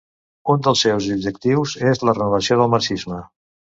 Un dels seus objectius és la renovació del marxisme.